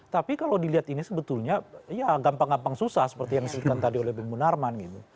tapi kalau dilihat ini sebetulnya ya gampang gampang susah seperti yang disampaikan tadi oleh bimbu narman